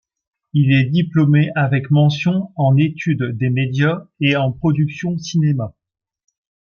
Il est diplômé avec mention en études des médias et en production cinéma.